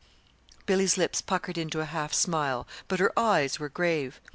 Billy's lips puckered into a half smile, but her eyes were grave.